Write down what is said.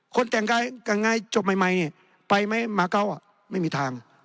คนแต่งงานจบไม่นิไปไม่มาเกล้าไม่มีทาง